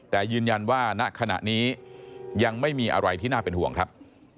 แต่ยืนยันว่าณขณะนี้ยังไม่มีอะไรที่น่าเป็นห่วงครับ